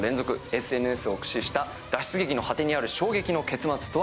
ＳＮＳを駆使した脱出劇の果てにある衝撃の結末とは？